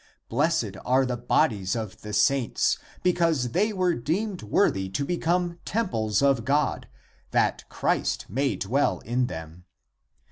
Blessed are the bodies of the saints, because they were deemed worthy to become temples of God, that Christ may dwell in them.